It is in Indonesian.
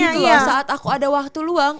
gitu loh saat aku ada waktu luang